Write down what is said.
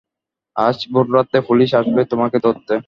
আজ ভোররাত্রে পুলিস আসবে তোমাকে ধরতে।